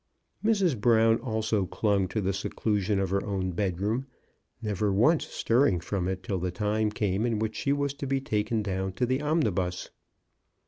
Mrs. Brown also clung to the seclusion of her own bedroom, never once stirring from it till the time came in which she was to be taken down to the omnibus.